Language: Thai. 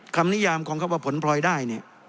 คำนิยามของเขาว่าผลปล่อยได้